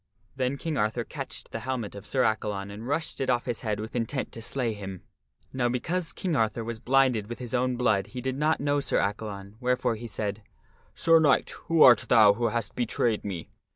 Then King Arthur catched the helmet of Sir Accalon and rushed it off his head with intent to slay him. Now because King Arthur was blinded with his own blood he did not know Sir Accalon, wherefore he said, " Sir Knight, who art thou who hast betrayed me